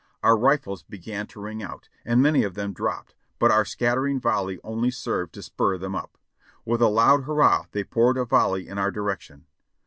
Our rifles began to ring out, and many of them dropped, but our scattering volley only served to spur them up. With a loud hurrah they poured a volley in our direction.